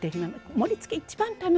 盛りつけ一番楽しいのよね。